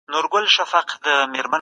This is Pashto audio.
همدا د ښه خوند او بوی راز دی.